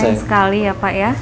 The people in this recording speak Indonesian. senang sekali ya pak ya